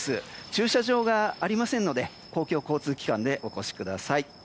駐車場がありませんので公共交通機関でお越しください。